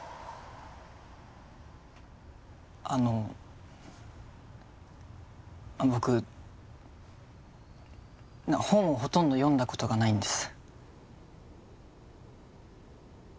あの僕本をほとんど読んだことがないんです。